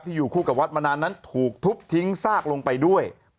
อยู่คู่กับวัดมานานนั้นถูกทุบทิ้งซากลงไปด้วย